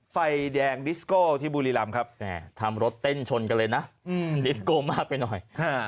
ไฟแดงดิสโก้ที่บุรีรำครับทำรถเต้นชนกันเลยนะดิสโก้มากไปหน่อย